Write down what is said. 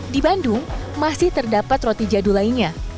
di bandung masih terdapat roti jadul lainnya